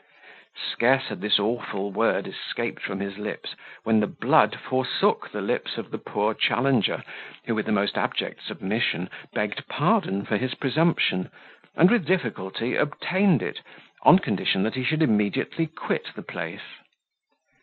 Scarce had this awful word escaped from his lips, when the blood forsook the lips of the poor challenger, who, with the most abject submission, begged pardon for his presumption, and with difficulty obtained it, on condition that he should immediately quit the place.